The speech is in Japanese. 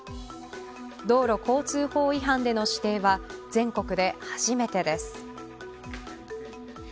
道路交通法違反での指定は全国で初めてです。